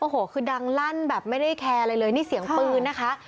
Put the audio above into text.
โอ้โหคือดังลั่นแบบไม่ได้แคร์อะไรเลยนี่เสียงปืนนะคะ